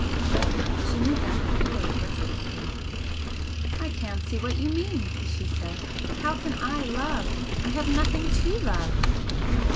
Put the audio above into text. She moved on her pillows restlessly. "I can't see what you mean," she said "How can I love? I have nothing to love!"